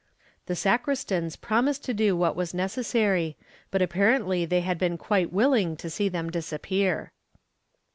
The sacristans promised to do what was necessary, but apparently they had been quite willing to see them disappear.